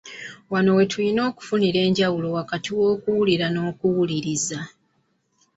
Wano we tulina okufunira enjawulo wakati w’okuwulira n’okuwuliriza.